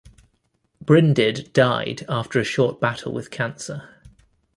Brinded died after a short battle with cancer.